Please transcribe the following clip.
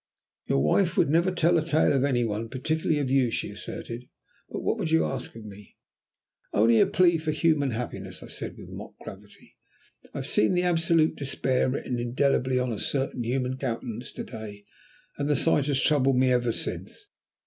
"Your wife would never tell a tale of any one, particularly of you," she asserted. "But what would you ask of me?" "Only a plea for human happiness," I said with mock gravity. "I have seen absolute despair written indelibly on a certain human countenance to day, and the sight has troubled me ever since.